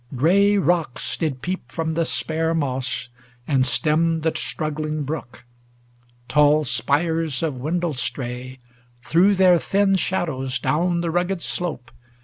Gray rocks did peep from the spare moss, and stemmed The struggling brook ; tall spires of win dlestrae Threw their thin shadows down the rugged slope.